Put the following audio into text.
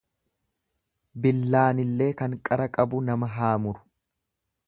Billaanillee kan qara qabu nama haa muru.